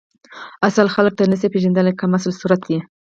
اصل خلک ته نسی پیژندلی کمسل صورت یی